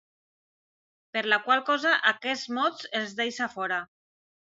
Per la qual cosa aquests mots els deixa fora.